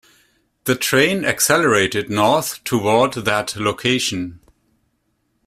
The train accelerated north toward that location.